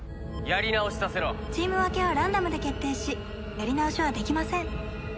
「やり直しさせろ」チーム分けはランダムで決定しやり直しはできません。